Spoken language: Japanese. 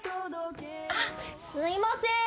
あっすいません。